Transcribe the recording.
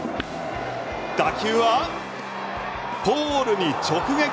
打球はポールに直撃。